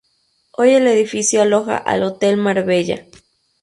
Hoy el edificio aloja al Hotel Marbella.